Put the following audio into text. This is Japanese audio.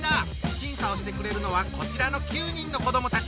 審査をしてくれるのはこちらの９人の子供たち！